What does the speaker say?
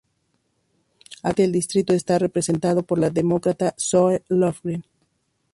Actualmente el distrito está representado por la Demócrata Zoe Lofgren.